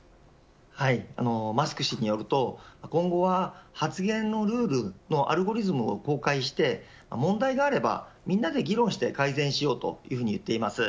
マスク氏によると今後は発言のルールのアルゴリズムを公開して問題があればみんなで議論して改善しようと言っています。